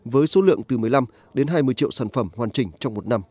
với số lượng từ một mươi năm đến hai mươi triệu sản phẩm hoàn chỉnh trong một năm